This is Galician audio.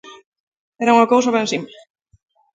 Era unha cousa ben simple.